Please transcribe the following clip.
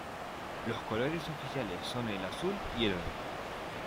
Los colores oficiales son el azul y el oro.